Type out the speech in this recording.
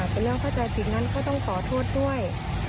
เป็นเรื่องเขาต้องขอโทษด้วย